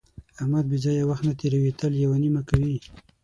احمد بې ځایه وخت نه تېروي، تل یوه نیمه کوي.